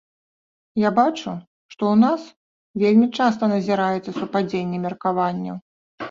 Я бачу, што ў нас вельмі часта назіраецца супадзенне меркаванняў.